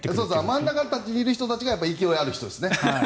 真ん中にいる人たちが勢いがある人たちですね。